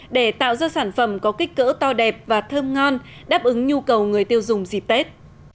để tạo ra sản phẩm có kích cỡ to đẹp và thơm ngon đáp ứng nhu cầu người tiêu dùng dịp tết